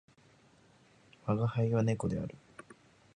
吾輩は、子猫である。